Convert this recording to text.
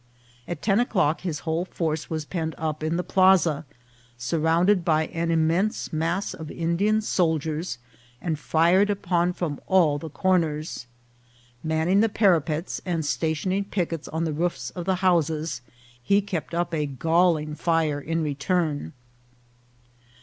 At ten o'clock his whole force was penned up in the plaza, surrounded by an immense mass of Indian soldiers, and fired upon from all the cor ners. Manning the parapets and stationing pickets on the roofs of the houses, he kept up a galling fire in return.